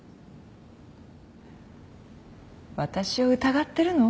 私を疑ってるの？